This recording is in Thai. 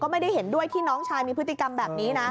ไม่ได้เห็นด้วยที่น้องชายมีพฤติกรรมแบบนี้นะ